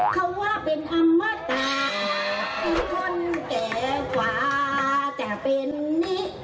เขาว่าเป็นธรรมดาที่คนแก่กว่าแต่เป็นนิรัม